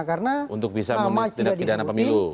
karena lama tidak disebutin